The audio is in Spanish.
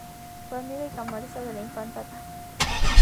Fue amiga y Camarista de la Infanta Dª.